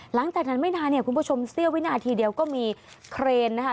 หลังจากนั้นไม่นานคุณผู้ชมเสี้ยวไว้หน้าทีเดียวก็มีเครนนะครับ